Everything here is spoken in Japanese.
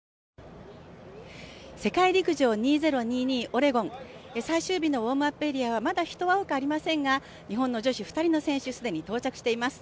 オレゴン最終日のウオームアップエリアは、まだ人は多くありませんが日本の女子２人の選手、既に到着しています。